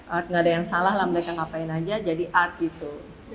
enggak ada yang salah lah mereka ngapain aja jadi art gitu